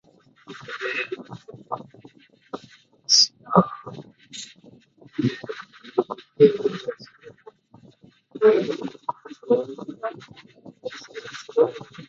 They found Stuart Denman, a University of Washington grad, through an online message board.